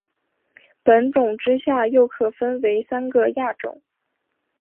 本种之下又可分为三个亚种。